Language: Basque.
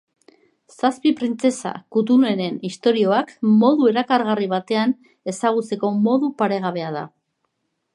Zazpi printzesa kutunenen istorioak modu erakargarri batean ezagutzeko modu paregabea da.